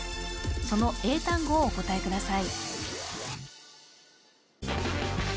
その英単語をお答えください